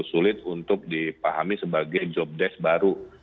sulit untuk dipahami sebagai jobdesk baru